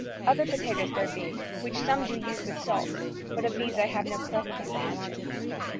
Other potatoes there be, which some do use with salt, but of these I have no present apprehension."